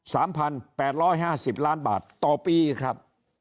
สามพันแปดร้อยห้าสิบล้านบาทต่อปีครับ